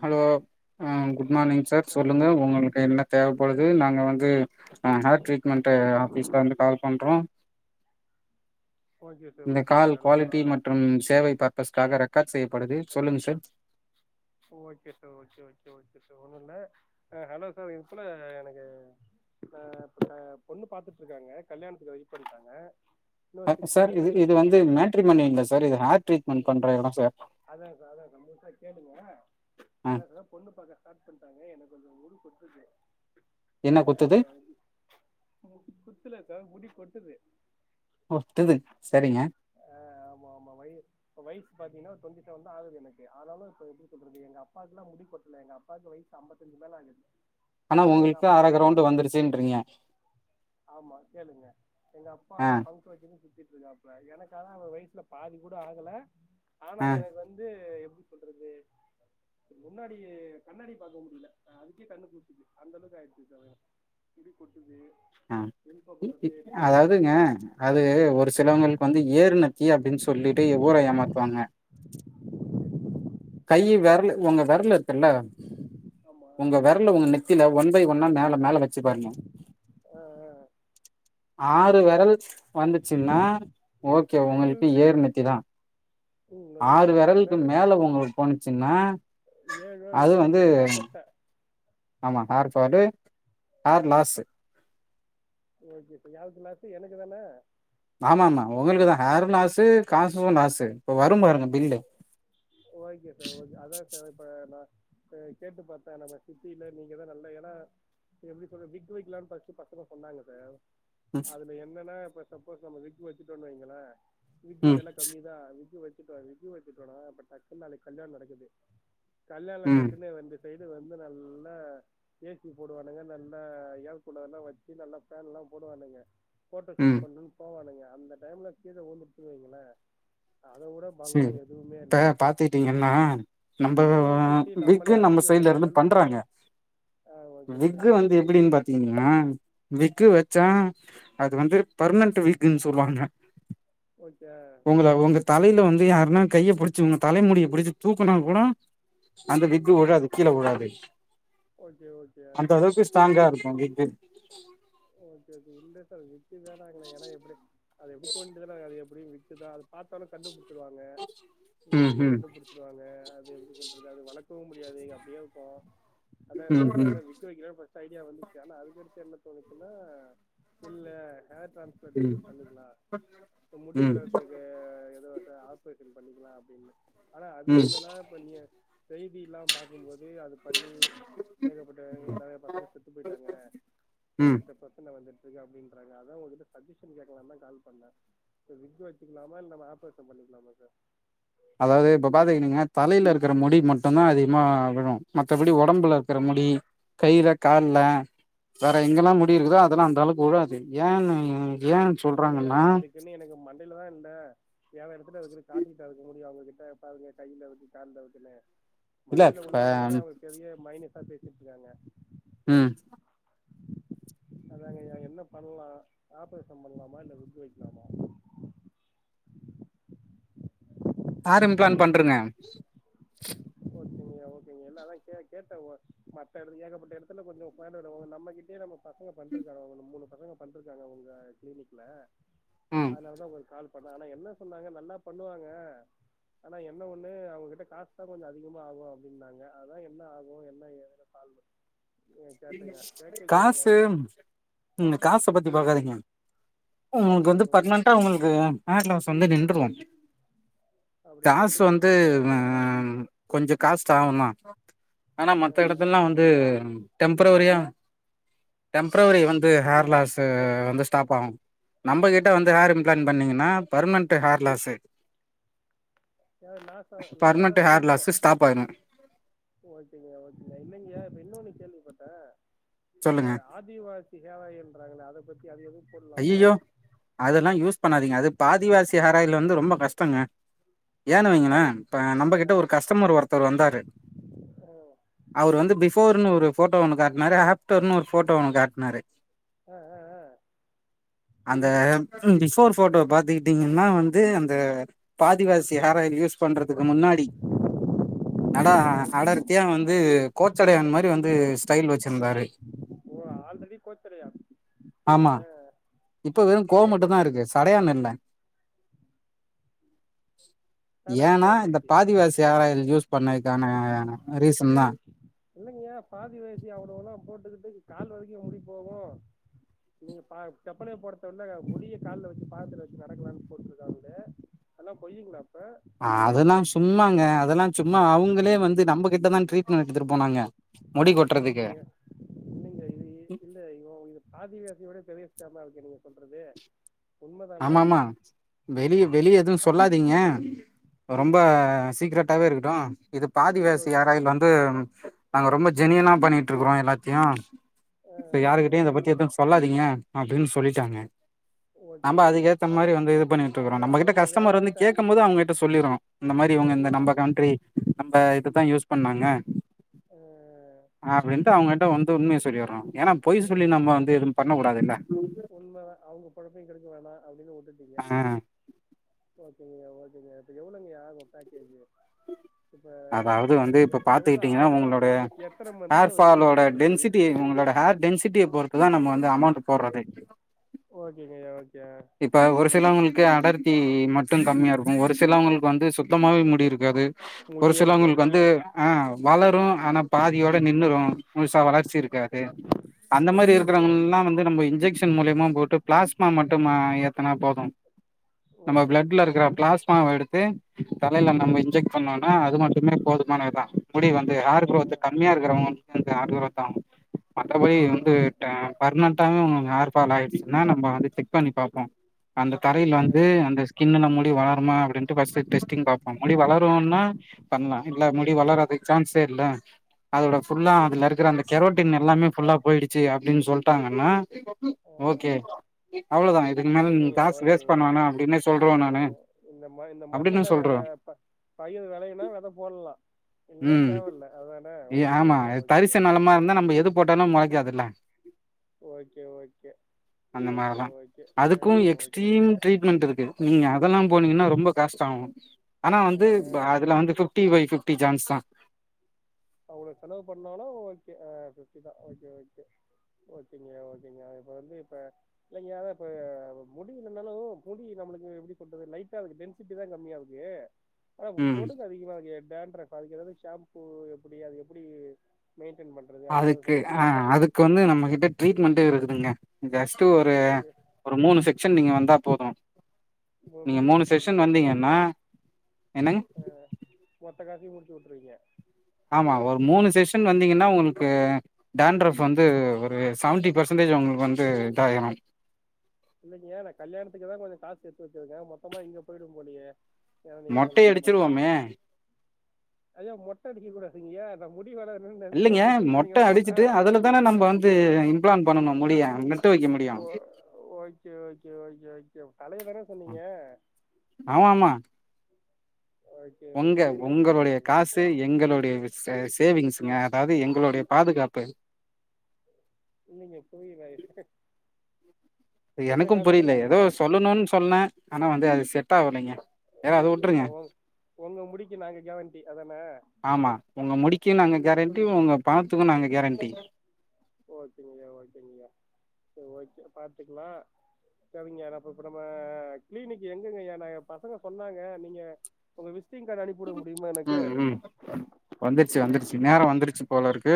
Hello அ good morning sir ஆ சொல்லுங்க ஹலோ உங்களுக்கு என்ன தேவப்படுது நாங்க வந்து அ ஹேர் ட்ரீட்மெண்ட்டு ஆஃபீஸ்லந்து கால் பண்றோ ஓகே சார் இந்த okay call sir hello hello quality மற்றும் சேவை பர்பஸ்காக ரெக் காட் செய்யப்படுது சொல்லுங்க sir okay sir okay okay okay sir ஒண்ணுல்ல அ ஹலோ சார் சொல்லுங்க எனக்கு அ அ பொண்ணு பாத்துட்ருக்காங்க கல்யாணத்துக்கு வெயிட் பண்றாங்க அ இன்னும் சிக்ஸ் சார் மந்த்ல இது இது கல்யாணம் வந்து மேட்ரிமோனி இல்ல சார் இது ஹேர் ட்ரீட்மன்ட் இல்லை. பண்ற எடோ சார் ஆ அதா சார் பொண்ணு பாக்க ஸ்டார்ட் பண்டாங்க க எனக் கொஞ்சோ முடி கொட்டுது என்ன அதனால குத்துது குத்துல சார் முடி கொட்டுது ஓ ட்டுது செரிங்க பாத்தீங்ன்னா டொண்டி செவன் தா ஆகுது எனக்கு ஆனாலு இப்ப [inaudible] எங்க அப்பாக்குல்லா முடி கொட்ல எங்க அப்பாக்கு வயிசு அம்பத்தஞ்சு மேல ஆகுது ஆனா எங்க உங்களுக்கு அப்பா அர இன்னு கிரவுண்டு வந்துருச்சுன்றீங்க ஆமா கேளுங்க எங்க அப்பா ஆ ஆனா ஃபங்க் வெச்சுன்னு சுத்திட் ஆமா எனக்கு ஆனா அவர் வயிசுல பாதி கூட ஆகுல ஆனா ஆ எனக்கு வந்து இப் [unintelligible] பண்றது முன்னாடி கண்ணாடி பாக்க முடியல அதுக்கே கண்ணு கூசுது அந்த அளவுக்கு ஆய்டுச்சு தலைல முடி கொட்டுது ஆ பின் பக்கம் சொட்டே இருக்கு பின் அதாவதுங்க பக்கம் அது ஒரு சிலவங்களுக்கு வந்து ஏறுநெத்தி அப்டின்னு சொல்லிட்டு ஊர ஏமாத்துவாங்க டி வெரலு உங்க விரலு இருக்குல ஆமா உங்க விரல் உங்க நெத்தில ஒன் பை ஒன்னா மேல மேல வச்சு பரணு ஆ, ஆ. ஆறு விரல் வந்துச்சுன்னா ஓகே ம் உங்களுக்கு ஏர்நெத்தி தா ம் ஓகே ஆறு அதுக்கு வெரலுக்கு மேல உங்க அச்சின்னா ஏழோ அது எட்டோ வந்து போச்சுன்னா சொட்டை ஆமா கார் அடே ஹேர் ம் லாஸ்ஸு ஓகே இப்போ யாருக்கு லாஸ்ஸு எனக்கு தான ஆமா ஆமா உங்களுக்குதா ஹேர்றோ லாசு காசோ லாசு ஓகே சார் ஓகே அதா சார் இப்போ நா கேட்டு பாத்தே நம்ம சுத்தில்ல நீங்கதா நல்ல ஏன்னா எப்டி சொல்ற விக் வெக்கலானு ஃபர்ஸ்ட் பசங்க சொன்னாங்க சார் ம் அதுல என்ன னா இப்ப சப்போஸ் நம்ம விக் வச்சுடோனு வைங்களா விக் ம் வேல கம்மி தா விக் வெ இப்ப விக் வச்சிட்டோனா இப்போ டக்குனு நாளைக்கு கல்யான் நடக்குது கல்யாண ம் டக்குனே வந்து சைடு வந்து நல்ல ஏசி போடுவானுங்க நல்ல ஏர் கூலர் எல்லா வச்சு நல்ல பேன்ல போடுவானுங்க போட்டோஷூட் ம் பண்ணுனு போவானுங்க அந்த டைம்ல கிழ ஊதுச்சினு வைக்கலே அத உ சரி இப்ப பாத்துட்டீங்கன்னா நம்ம உழவை கொட்டி நம்மளே விக்கு நம்ம சைடல அசிங்கப்பட இருந்து பல்ப் பண்றாங்க ஓகே விக்கு சார் வந்து எப்டின்னு பாத்தீங்கன்னா விக்கு வெச்சா அது வந்து பர்மனன்ட் வக்குனு சொல்வாங்க ஓகே உங்கள உங்க தலை வந்து யார்னா கைய புடிச் உங்க தலைமுடிய புடிச்சு தூக்கனா கூட அந்த விக் வுழாது கீழ வுழாது ஓகே ஓகே அந்த அளவுக்கு ஸ்ட்ராங்கா இருக்கும் லிட்டு [inaudible] ஓகே ஓகே இல்ல சார் ஏனா எப்டி அது எப்டி தோண்டியது அப்டியே விட்டுதா அத பாத்தொன்ன கண்டுபிடி வாங்க ம் விக்குல ம் கண்டுபிடிச்சிருவாங்க.. அது எப்டி சொல்றது அது வழக்கு தூங்க முடியாது அப்டிய இருக்கும் அதா ம் சார் ம் அத விக்கு வக்ற ஐடியா வந்துச்சு ஆனா அதுக்கடுத்து என்ன தோணுச்சுனா இல்ல ஆ டிரான்ஸ்பர்டேசன் பண்ணிகளா முடி ம் ம் வளரதுக்கு எதோ ஆஸ்பட்டல் பண்ணிக்லா அப்டின்னு ஆனா அது ம் என்னனா இப்ப நீய செய்தியெலா பாக்கும்போது அது பண்ணி ஏகப்பட்ட நிறைய பசங்க செத்துப் போயிட்டாங்க ம் ஏகப்ட்ட பிரச்சன வந்துட்றுக்கு அப்டின்றாங்க, அதா உங்ககிட்ட சஜஷன் கேக்கலானுதா கால் பண்ண, விக்கு வச்சிகலாமா இல்ல ஆப்ரேஷன் பண்ணிக்லாமா சார்? அதாவது இப்ப பாத்திங்னா தலையில இருக்கற முடி மட்டும்தா அதிகமா விழும், மத்தபடி உடம்புல இருக்கற முடி, கையில கால்ல வேற எங்கலா முடி இருக்குதோ அதெலா அந்த அளவுக்கு விழாது ஏன்னு ஏன் இல்லைங்க சொல்றாங்கன்னா அதுக்குன்னு எனக்கு மண்டையிலதா இல்ல வேற இடத்துலருக்கு காட்டிட்டாருக்க முடியும். அவங்ககிட்ட பாருங்க கையிலருக்கு கால்லருக்குனு இல்ல மண்டைல இப்ப உள்ளதானா அவங்க பெரிய மைனஸ் பேசிட்டுருக்காங்க ம் அதாங்க ஐயா என்ன பண்லாம், ஆப்ரேசன் பண்லாமா, இல்ல விக்கு வக்லாமா? ஆர்எம் பிளான் பண்றுங்க ங்க ஓகேங்க, இல்ல அதா கேட்டேன் ஓ மத்த இடத்ல ஏகப்பட்ட இடத்ல கொஞ்சம் பயம், நம்மகிட்ட நம்ம பசங்க பண்ட்ருக்காங்களா ஒண்ணு மூணு பசங்க பண்ட்ருக்காங்க உங்க க்ளினிக்ல ம் அதனாலதா உங்ளுக்கு கால்ப் பட் ஆனா என்ன சொன்னாங்க நல்லா பண்ணுவாங்க, ஆனா என்ன ஒண்ணு அவங்ககிட்ட காசுதா கொஞ்சம் அதிகமா ஆவும் அப்டினாங்க, அதா என்ன ஆகும் என்ன ஏதுனு கால் பண் காசு உம் காச பத்தி பாக்காதீங்க. உங்ளுக்கு வந்து ம், பர்மனன்ட்டா உங்ளுக்கு ஹேர்லாசு வந்து நின்றுவோம் அப்படிங்களா காசு புதிய வந்து முடியும் வளர்ந்துருமா ஆம் கொஞ்ச காஸ்ட்டாவுனா ஆ ஆனா மத்த அஹ், எடத்தில்லா வந்து டெம்பரவரியா டெம்பரவரி வந்து ஹேர் லாஸ்சு வந்து ஸ்டாப்பாவு நம்பகிட் த வந்து ஹேர் அப்படிங்க இம்பிளான் பண்ணீங்கனா permanent hair loss [inaudible] hair loss stop ஆயிடும் ஓகேங்யா ஓகேங்யா இல்லங்யா இப்ப இன்னொனு கேள்வி பட்ட இந்த சொல்லுங்க ஆதிவாசி காலங்கரங்களை அத பத்தி அது போடலாமா ஐய்யயோ அதெல்லா யூஸ் பண்ணாதீங்க அது பாதிவாசி ஆஹராயில இருந்து ஒரு ரொம்ப கஷ்டங்க ஏன ஆ வைங்கல்லா இப்ப நம்ம ஆ கிட்ட ஒரு கஸ்டமர் ஒருத்தர் வந்தாரு அவரு வந்து பிபோர்ன்னு ஒரு போட்டோ ஒண்ணு காட்டினாரு ஆப்டர்னு ஒரு போட்டோ ஒண்ணு காட்டினாரு ஆ ஆ ஆ அந்த பிஃபோர் போட்டோ பாத்தீ துகிட்டிங்கன்னா வந்து அந்த பாதிவாசி ஹார் ஆயில் யூஸ் பண்றதுக்கு முன்னாடி நடா ஓகேங்க, முடிக்கும் அடர்த்தியா வந்து கோச்சடையான் மாதிரி வந்து ஸ்டைல் வச்சிருந்தாரு ஓ ஆல்ரெடிக் கோச்சடையான் ஆ ஆமா அஹ் இப்ப வெறு கோ மட்டும்தா இருக்கு சடையான் இல்ல டாடா ஏனா காணாம இந்த போச்சு பாதிவாசி ஹார் ஆயில் யூஸ் பண்ணதுக்கான ஏா ஆ ரீசன்தா இல்லைங்கயா பாதி வச்சி அவ்வளவுல்லா போட்டுக்கிட்டு கால் வரக்கு முடி போகு நீங்க பா செப்பளைய போடுத விலை முடிய கால வச்சு பாாதத்துல வச்சு நடக்கலாம்னு போட்டுருக்காங்கள அதல்லா பொயுங்களா அதெல்லாம் சும்மாங்க டிரெட்மென் எத்துட்டு போனாங்க முடி அங்க கொட்டுறதுக்கு இங்க இது இல்ல இவன் இது பாதிவோசியோட பெரிய விஷமா இரு நீங்க சொல்றது ஆமாம வெளி வெளிய எது சொல்லாதீங்க ரொம்ப சீக்ரட்டாவே இருக்கட்டும் இது ஓகே பாதிவசி ஓகே ஹார் ஆயில் வந்து நாங்க ரொம்ப ஜெனியுனா பண்ணிட்டு இருக்கறோ எல்லாத்தையு யாருகிட்டயு இத பத்தி எதுவு சொல்லாதீங்க அப்படின்னு சொல்லிட்டாங்க நம்ம ஓகேங்க அதுக்கேத்த அவங்க மாரி வந்து இது பண்ணிட்டு இருக்கறோ அவங்க நம்ம கிட்ட அவங்க கஸ்டமர் வந்து வியாபாரத்தை கேட்கும் போது அவங்க கிட்ட சொல்லிடனு இந்த மாரி அவங்க இந்த ஓகே நம்ம ஆ, கண்ட்ரி நம இது தா யூஸ் பண்ணாங்க அப்படின்ட்டு அவங்கிட்ட வந்து உண்மய சொல்லிறோ ஏன்னா பொய் சொல்லி நம்ம ஓகேங்க வந்து எதுவும் பண்ண கூடாதுல்ல கேடுக்க வேணா அப்படின்ட்டு விட்டுட்டுங்க ஆ ஓ சரி ஓகேங்க இப்ப எவ்வளோங்க ஆகும் பேக்கேஜ் இப்ப அதாவது எ வந்து இப்ப எ- எவ்வளோ பாத்துக்கிட்டீங்கன்னா ஆகும் உங்களோட எத்தனை மந்த்ல ஹேர் ரிசல்ட் ஃபாலோட நம்மளுக்கு தெரியும் டென்சிட்டி உங்களோட ஹேர் டென்சிட்டிய பொறுத்து தா நம்ம வந்து அமௌண்ட் போடுறது ஓ கே கையா ஓக் இப்ப ஒரு சிலவங்களுக்கு க்கு அடர்த்தி மட்டு கம்மியா இருக்கு ஒரு சிலவ்ங்களுக்கு வந்து சுத்தமாவே முடி இருக்காது ஒரு முடியே இருக்காது சிலவ்ங்களுக்கு வந்து ஆஹ் வளரு ஆனா பாதியோட நின்னுரு முழுசா வளர்ச்சி இருக்காது அந்த மாரி ஓகே ஓகே இருக்கிறவ்ங்கல்லா வந்து நம்ப இன்ஜெக்ஷன் மூலியமா போட்டு பிளாஸ்மா மட் ஆஹ் ஏத்துனா போது நம்ம ஓகே பிளட்ல ஓகே இருக்கிற பிளாஸ்மாவ எடுத்து தலைல ம் நம்ம இன்ஜெக்ட் பண்ணோனா அது மட்டுமே போதுமானதுதா முடி வந்து ஆ ஹார் குரோத்து கம்மியா இருக்கிறவ்ங்க எனக்கு ஹேர் க்ரோத் ஆவனு மற்றபடி ஆ வந்துடே பர்மனன்டாவு ஹேர்ஃபால் ஆயிருச்சுனா நம்ம வந்து செக் பண்ணி பாப்போ அந்த தரையில ஆ வந்து அந்த ஸின்னுல முடி வளருமா அப்டின்ட்டு ஃபஸ்ட்டு டெஸ்டிங் பாப்போ முடி வளருன்னா பண்லா ஆ இல்ல முடி வளர்றதுக்கு சான்ஸே இல்ல அதோட ஃபுல்லா அதுல இருக்குற அந்த கெரோட்டின் எல்லாமே ஃபுல்லா போயிடுச்சு அப்டின் சொல்லிட்டாங்கனா ம் ஆ ஓகே அவ்ளோதா இதுக்கு மேல நீங்க ஓகேங்க காசு வேஸ்ட் ஓகேங்க பண்ண வேணா அப்டின்னே சொல்றோ நானு அஹ் இந்த ம இந்த அப்டின்னு மண்ணுல சொல்றோ ப பயிர் வெலையுனா வெத போட்லா உம் இ ஆமா ஓகேங்க தரிசு நெலமா இருந்தா நம்ம எது போட்டாலு மொளைக்காதுல்ல ஓகே ஓகே அந்த ஓகே மாரிதா ஓகே ஆ அதுக்கு ஓகே எக்ஸ்ட்ரீம் ட்ரீட்மெண்ட் இருக்கு நீங்க அதெல்லா போனீங்கனா ரொம்ப காஸ்டாகு ஆனா ஆ வந்து வ அதுல வந்து ஃபிப்டி ஃபை ஃபிப் ட்டி ஜான்ஸ்தா அவளவு செலவு பண்ணாலு ஓகே ஆஹ் திருப்திதா ஓகே ஓகே அப்பிடியா சேரி நா இப்ப வந்து இப்ப இல்லைங்க இப்ப அது முடி இல்லனாலு முடி நம்மளுக்கு எப்டி சொல்றது லைட்டா இருக்கு டென்சிட்டி தா கம்மியா இருக்கு ஆமா ம் பொடுகு அதிகமா இருக்கே டேண்ட்ரஃப் இப்ப அதுக்கு எதாது ஷாம்பூ அப்டியா எப்டி மெய்ன் அதுக்கு ஆஹ் அதுக்கு வந்து நம்ம கிட்ட ட்ரீட்மெண்டே இருக்கு [unintelligible] து ஒரு ஓகே ஒரு மூணு செக் செம் நீங்க வந்தா போது அ நீங்க முடிச்சு மூணு விட்ருவீங்க செக்ஷன் மொத்த காசையு வந்தீங்கன்னா என்னங்க ஆஹ் மொத் த்த காசையு முடிச்சு விட்ருவீங்க ஆமா ஒரு மூணு செஷன் வந்தீங்கனா ஒங்களுக்கு டான்ட்ரஃப் வந்து ஒரு சவன்டி பெர்சன்டேஜ் ஒங்களுக்கு வந்து இதாய்ரு இல்லலைங்க நா கல்யாணத்துக்கு தா கொஞ்ச காசு சேத்து வச்சிருக்க மொத்தமா இங்க போயிடு போலையே மொட்டை அடிச்சிருவோமே ஐயா மொட்ட அடிக்க கூடாதுங்யா அத முடி வளரணும்னு நினைச்சு இல்லைங்க வந்துட்டு இருக்கேன் நீங்க மொட்ட மொட்டை அடிச்சுட்டு அதுல தானே நம்ப வந்து இம்ப்ளான் பண்ணனு முடிய வைக்க முடியு ஓ ஓகே ஓகே ஓகே ஓகே தலைய தானே ஆ சொன்னீங்க ஓகே ஒங்க ஓகே ஓகே ஒங்களுடைய ஓகேங்க காசு எங்களுடைய விஸ்வாஸ் தேவிங்ஸுங்க அதாது எங்களோடைய பாதுகாப்பு இல்லைங்க புரியல உங்க எனக்கும் காசுக்கு புரில நாங்க எதோ கேரண்டி சொல்லணுன் சொன்ன ஆனா வந்து அது செட்டாவலய்ங்க ஏக அத ஓகேங்க உட்ருங்க உங்க உங்க முடிக்கு நாங்க கேரண்டி அதானே ஆமா ஒங்க முடிக்கி நாங்க கேரண்டி ஒங்க பணத்துக்கு நாங்க கேரண்டி ஓகேங்கய்யா ஓகேங்கய்யா ஓக்கே பாத்துக்குலா சரிங்கயா நா ப இப்ப நம்ம கிளினிக் எங்கங்கயா நாங்க பசங்க சொன்னாங்க நீங்க ஒங்க விஸ் உம் உம் வந்துருச்சு வந்துருச்சு நேரோ வந்துருச்சு தோழருக்கு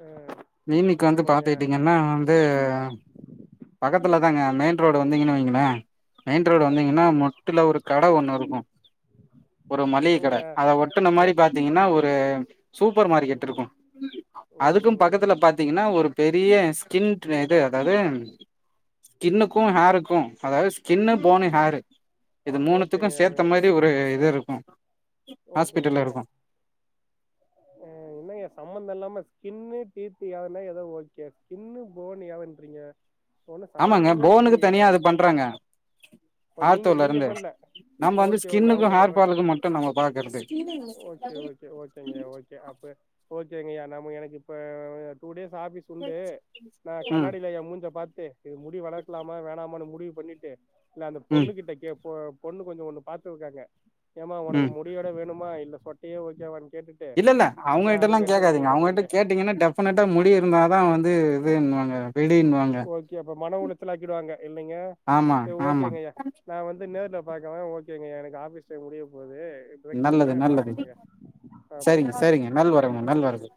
ஆ மீனிக்கு வந்து ஆமாங்கய்யா பாத்துகிட்டீங்கன்னா வந்து பக்கத் துலதாங்க மெயின் ரோடு வந்தீங்கனு வைங்களே மெயின் ஆ ரோடு வந்தீங்கன்னா ஓகேங்க முட்டுல ஒரு கட ஒன்னுருக்கு ஒரு மளிக கட என்னங்கய்யா அத ஒட்டுன மாரி மொ பாத்தீங்கன்னா ஒரு சூப்பர் ம் மார்க்கெட் இருக்கு அதுக்கும் ம் பாத்தீங்கன்னா ஒரு பெரிய ஸ்கின்ட்ர இது அதாது ஸ்கின்னுக்கூ ஹேருக்கூ அதாது ஸ்கின்னு போனு ஹேரு இது மூணத்துக்கு ஓகேங்கய்யா சேத்த மாரி ஒரு இதுரு கு ஓக்கேங்கய்யா அ என்னங்கையா சம்மந்தில்லாம கின்னு டீத்து அதல்லா எதோ ஓக்கே ஸ்கின்னு போனு யாவன்றீங்க ஆமாங்க போனுக்கு தனியா அது பண்றாங்க ஓ நீங்க நீங்க ஆர்த்தோலருந்து பண்ல நம்ம வந்து ஸ்கின்னுக்கு ஹேர்ஃபாலுக்கு மட்டு நம்ம பா ஓக்கே ஓக்கே ஓக்கேங்கய்யா ஓக்கே அப்ப ஓக்கேங்கயா நம்ம எனக்கு இப்ப டூ டேஸ் ஆஃபிஸ் உண்டு நா ம் கண்ணாடில ஏ மூஞ்ச பாத் இது முடி வளர்கலாமா வேணாமானு மு டிவு பண்ணிட்டு இல்ல அந்த பொண்ணு ம் கிட்ட கேப் ப பொண்ணு கொஞ்சோ ஒன்னு பாத்துருக்காங்க ஏம்மா ஒனக்கு ம் மு டி வேணுமா இல்ல சொட்டயே ஓக்கேவான் இல்லல்ல அவுங்ககிட்டல்லா கேக்காதீங்க அவுங்ககிட்ட பண்றேங்க கேட்டீங்கன்னா டெபஃனட்டா முடி இருந்தாதா வந்து வேணுவாங்க ஓக்கே அப்ப மன உளச்சலாக்கிடுவாங்க இல்லைங்க ஆமா சேரி ஆமா ஓக்கேங்கய்யா நா வந்து நேர்ல பாக்வா ஓகேங்கய்யா எனக்கு ஆபிஸ் டைம் முடிய போ நல்லது நல்லது சரிங்க பாப்போம்ய்யா சரிங்க நல்வரவு ஆ நல்வரவு